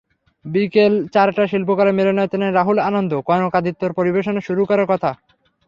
বিকেল চারটায় শিল্পকলা মিলনায়তনের রাহুল আনন্দ, কনক আদিত্যদের পরিবেশনা শুরু করার কথা।